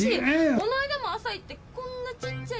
このあいだも朝行ってこんなちっちゃい。